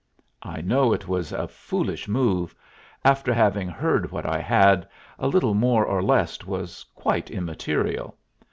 I know it was a foolish move; after having heard what I had, a little more or less was quite immaterial.